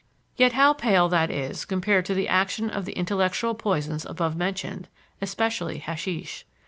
Yet how pale that is compared to the action of the intellectual poisons above mentioned, especially hashish.